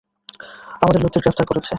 আমাদের লোকদের গ্রেফতার করেছে।